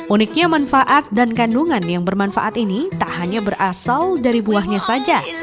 uniknya manfaat dan kandungan yang bermanfaat ini tak hanya berasal dari buahnya saja